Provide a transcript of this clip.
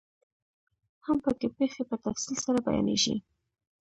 هم پکې پيښې په تفصیل سره بیانیږي.